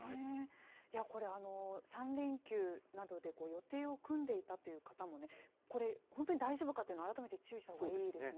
いやこれ、３連休などで予定を組んでいたという方もね、これ、本当に大丈夫かというのを改めて注意したほうがいいですね。